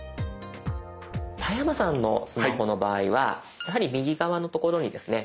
田山さんのスマホの場合はやはり右側のところにですね